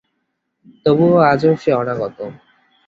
তবুও আজও সে অনাগত।